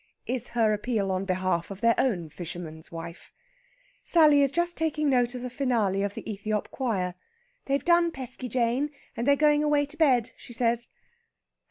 is her appeal on behalf of their own fisherman's wife. Sally is just taking note of a finale of the Ethiop choir. "They've done Pesky Jane, and they're going away to bed," she says.